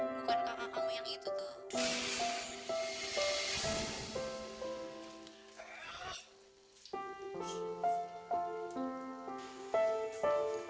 bukan kakak kamu yang itu tuh